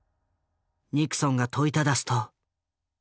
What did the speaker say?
ニクソンが問いただすと。